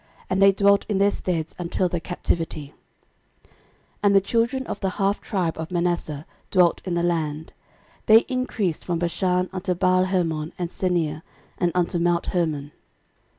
And they dwelt in their steads until the captivity. 13:005:023 And the children of the half tribe of Manasseh dwelt in the land: they increased from Bashan unto Baalhermon and Senir, and unto mount Hermon.